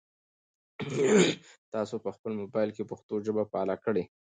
تاسو په خپل موبایل کې پښتو ژبه فعاله کړئ.